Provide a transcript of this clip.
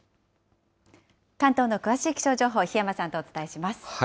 関東の詳しい気象情報、檜山さんとお伝えします。